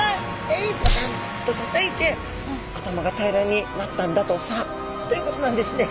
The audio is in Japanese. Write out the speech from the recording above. えいっポカンとたたいて頭が平らになったんだとさということなんですね。